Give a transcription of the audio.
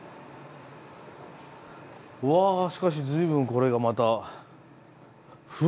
うわしかし随分これがまた古いね。